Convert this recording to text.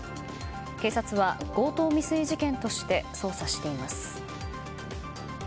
警察は強盗未遂事件として捜査しています。